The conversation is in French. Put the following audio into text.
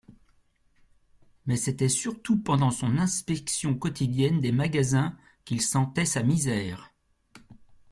Mais c'était surtout pendant son inspection quotidienne des magasins, qu'il sentait sa misère.